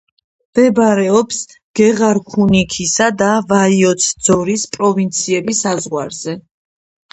მდებარეობს გეღარქუნიქისა და ვაიოცძორის პროვინციების საზღვარზე.